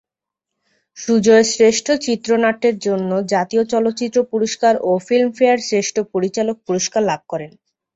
সুজয় শ্রেষ্ঠ চিত্রনাট্যের জন্য জাতীয় চলচ্চিত্র পুরস্কার ও ফিল্মফেয়ার শ্রেষ্ঠ পরিচালক পুরস্কার লাভ করেন।